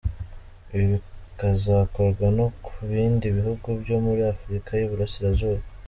Ibi bikazakorwa no ku bindi bihugu byo muri Afurika y’Iburasirazuba.